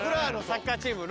サッカーチーム。